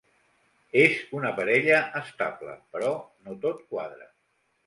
És una parella estable, però no tot quadra.